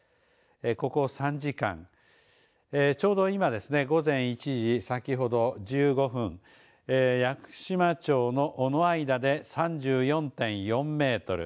ここ３時間、ちょうど今、午前１時、先ほど、１５分、屋久島町の尾之間で３４．４メートル